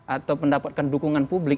atau mendapatkan dukungan publik